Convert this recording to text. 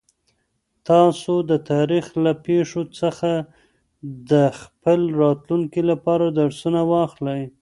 تاسو د تاریخ له پېښو څخه د خپل راتلونکي لپاره درسونه واخلئ.